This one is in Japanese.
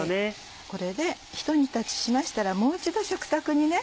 これでひと煮立ちしましたらもう一度食卓にね。